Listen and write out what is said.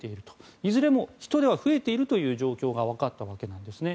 いずれも人出は増えている状況が分かったわけです。